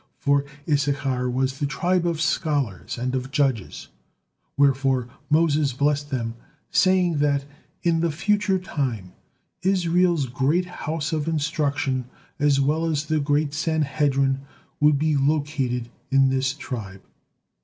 For Issachar was "the tribe of scholars and of judges," wherefore Moses blessed them, saying that in "the future time," Israel's great house of instruction as well as the great Sanhedrin would be located in this tribe.